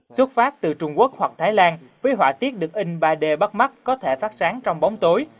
xuất phát từ trung quốc hoặc thái lan với họa tiết được in ba d bắt mắt có thể phát sáng trong bóng tối